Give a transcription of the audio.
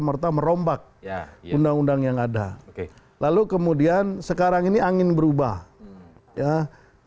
ketika ruang di kualisi merah putih diterbitkan